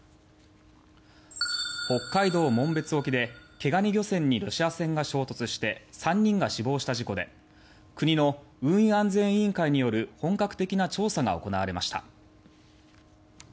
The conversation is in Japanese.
北海道紋別沖で毛ガニ漁船にロシア船が衝突して３人が死亡した事故で国の運輸安全委員会による本格的な調査が行われました。